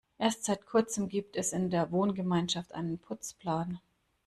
Erst seit Kurzem gibt es in der Wohngemeinschaft einen Putzplan.